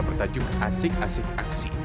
pertajung asik asik aksi